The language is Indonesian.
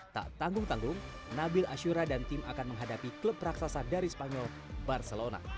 tak tanggung tanggung nabil ashura dan tim akan menghadapi klub raksasa dari spanyol barcelona